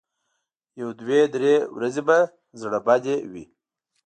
یو دوه درې ورځې به زړه بدې وي.